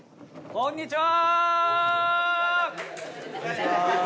こんにちは。